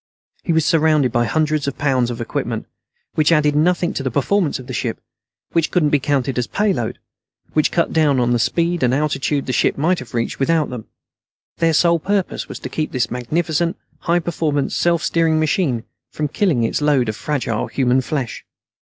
He was surrounded by hundreds of pounds of equipment which added nothing to the performance of the ship; which couldn't be counted as payload; which cut down on the speed and altitude the ship might have reached without them. Their sole purpose was to keep this magnificent high performance, self steering machine from killing its load of fragile human flesh.